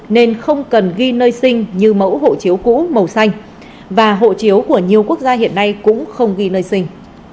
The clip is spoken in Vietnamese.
nên không cần ghi nơi sinh như mẫu hộ chiếu cũ màu xanh và hộ chiếu của nhiều quốc gia hiện nay cũng không ghi nơi sinh